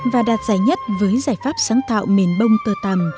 và đạt giải nhất với giải pháp sáng tạo mền bông tơ tầm